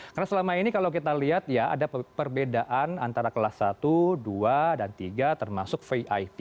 karena selama ini kalau kita lihat ya ada perbedaan antara kelas satu dua dan tiga termasuk vip